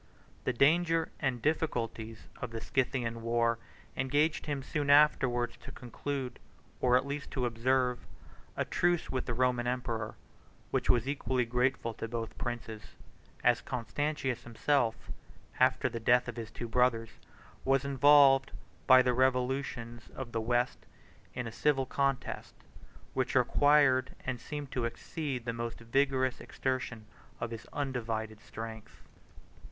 The danger and difficulties of the Scythian war engaged him soon afterwards to conclude, or at least to observe, a truce with the Roman emperor, which was equally grateful to both princes; as Constantius himself, after the death of his two brothers, was involved, by the revolutions of the West, in a civil contest, which required and seemed to exceed the most vigorous exertion of his undivided strength.